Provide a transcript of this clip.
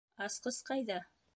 Асҡыс ҡайҙа?